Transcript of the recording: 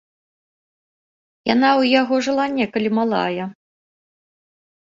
Яна ў яго жыла некалі малая.